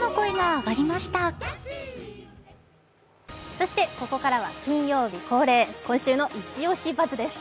そしてここからは金曜日恒例「イチオシバズ！」です。